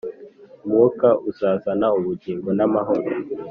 Umwuka uzana ubugingo n’amahoro